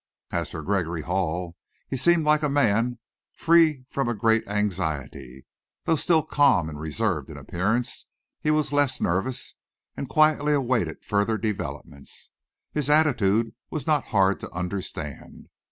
As for Gregory Hall, he seemed like a man free from a great anxiety. Though still calm and reserved in appearance, he was less nervous, and quietly awaited further developments. His attitude was not hard to understand.